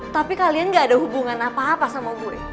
tapi kalian ga ada hubungan apa apa sama gue